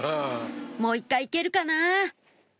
もう１回行けるかな？